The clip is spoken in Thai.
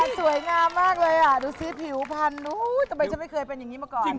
ก้าอ่ะสวยงามมากเลยอ่ะดูสิผิวพันธุ์โอ้โหทำไมจะไม่เคยเป็นอย่างนี้มาก่อน